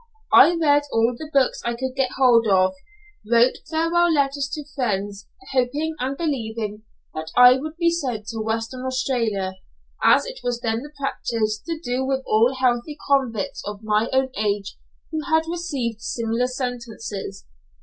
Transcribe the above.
I read all the books I could get hold of, wrote farewell letters to friends, hoping and believing that I would be sent to Western Australia, as it was then the practice to do with all healthy convicts of my own age who had received similar sentences.